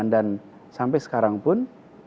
dan sampai sekarang pun